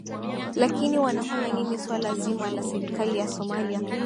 lakini wanafanya nini suala zima la serikali ya somalia